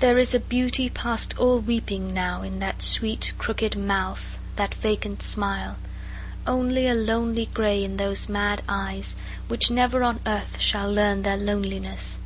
There is a beauty past all weeping now In that sweet, crooked mouth, that vacant smile; Only a lonely grey in those mad eyes, Which never on earth shall learn their loneliness.